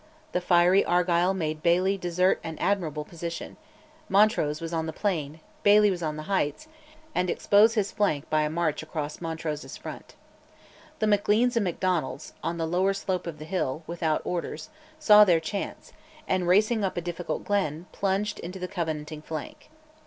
The fiery Argyll made Baillie desert an admirable position Montrose was on the plain, Baillie was on the heights and expose his flank by a march across Montrose's front. The Macleans and Macdonalds, on the lower slope of the hill, without orders, saw their chance, and racing up a difficult glen, plunged into the Covenanting flank.